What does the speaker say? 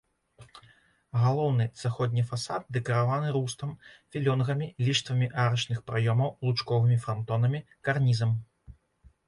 Галоўны заходні фасад дэкарыраваны рустам, філёнгамі, ліштвамі арачных праёмаў, лучковымі франтонамі, карнізам.